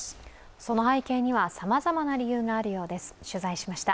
その背景にはさまざまな理由があるようです、取材しました。